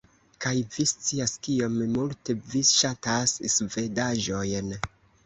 Kaj vi scias kiom multe vi ŝatas svedaĵojn